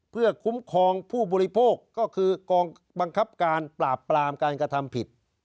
เพื่อคุ้มครองผู้บริโภคก็คือกองบังคับการปราบปรามการกระทำผิด